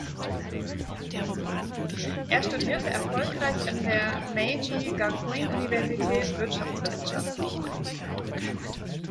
Er studierte erfolgreich an der Meiji-Gakuin-Universität Wirtschaftswissenschaften.